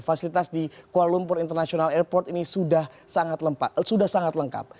fasilitas di kuala lumpur international airport ini sudah sangat lengkap